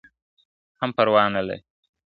هم پروا نه لري `